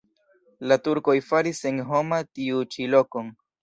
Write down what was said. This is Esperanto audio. La turkoj faris senhoma tiu ĉi lokon.